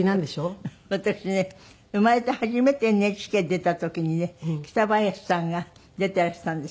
私ね生まれて初めてＮＨＫ出た時にね北林さんが出ていらしたんですよ。